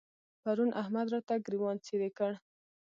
پرون احمد راته ګرېوان څيرې کړ.